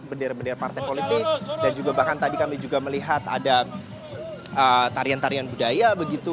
bendera bendera partai politik dan juga bahkan tadi kami juga melihat ada tarian tarian budaya begitu